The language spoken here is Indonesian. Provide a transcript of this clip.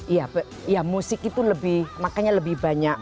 iya ya musik itu lebih makanya lebih banyak